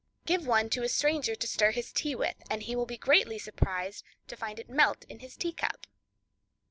Give one to a stranger to stir his tea with, and he will be greatly surprised to find it melt in his teacup.